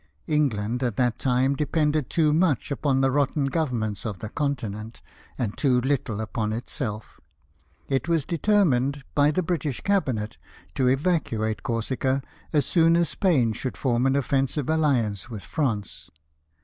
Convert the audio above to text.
England at that time depended too much upon the rotten governments of the Continent H 98 LIFE OF NELSON. and too little upon itself. It was determined by the British Cabinet to evacuate Corsica as soon as Spain should form an offensive alliance with France.